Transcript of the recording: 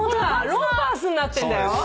ロンパースになってんだよ。